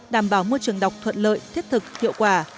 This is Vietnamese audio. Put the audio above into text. đảm bảo môi trường đọc thuận lợi thiết thực hiệu quả